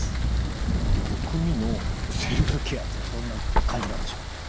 むくみのセルフケアっていうのはどんな感じなんでしょう？